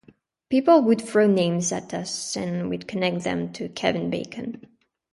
People would throw names at us and we'd connect them to Kevin Bacon.